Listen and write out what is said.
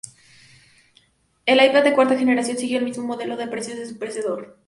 El iPad de cuarta generación siguió el mismo modelo de precios que su predecesor.